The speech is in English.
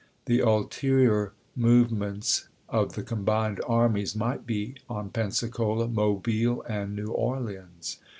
The ulterior move ments of the combined armies might be on Pensacola, Mobile, and New Orleans.